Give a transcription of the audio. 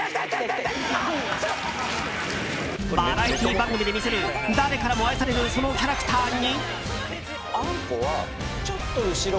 バラエティー番組で見せる誰からも愛されるそのキャラクターに。